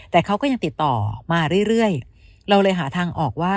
แต่เขาก็ยังติดต่อมาเรื่อยเราเลยหาทางออกว่า